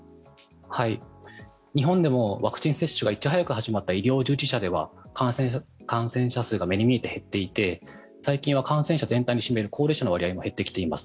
日本でもワクチン接種がいち早く始まった医療従事者では感染者数が目に見えて減っていて最近は感染者全体に占める高齢者の割合も減ってきています。